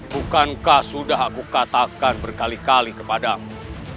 bukankah sudah aku katakan berkali kali kepadamu